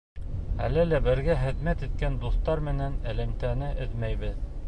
Әле лә бергә хеҙмәт иткән дуҫтар менән элемтәне өҙмәйбеҙ.